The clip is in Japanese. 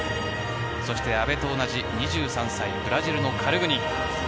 そして、阿部と同じ２３歳ブラジルのカルグニン。